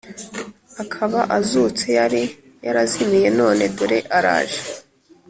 akaba azutse yari yarazimiye none dore araje